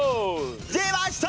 出ました！